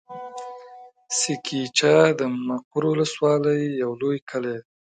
سه کېچه د مقر ولسوالي يو لوی کلی دی.